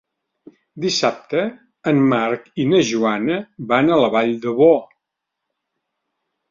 Dissabte en Marc i na Joana van a la Vall d'Ebo.